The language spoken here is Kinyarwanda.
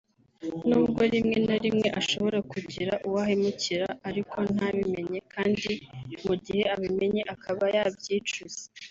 n’ubwo rimwe na rimwe ashobora kugira uwo ahemukira ariko ntabimenye kandi mu gihe abimenye akaba yabyicuza